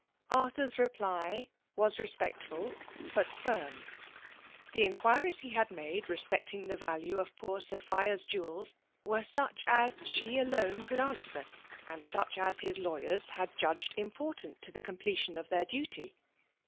Arthur's reply was respectful but firm. The inquiries he had made respecting the value of poor Sophia's jewels were such as she alone could answer, and such as his lawyers had judged important to the completion of their duty.